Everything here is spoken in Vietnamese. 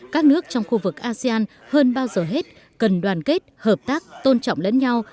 các nước trong khu vực asean hơn bao giờ hết cần đoàn kết hợp tác tôn trọng lẫn nhau